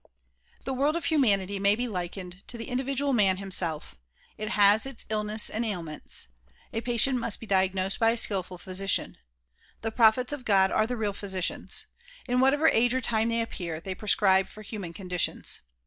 The world of humanity may be likened to the individual man himself ; it has its illness and ailments. A patient must be diagnosed by a skilful physician. The prophets of God are the real physicians. In whatever age or time they appear they pre scribe for human conditions.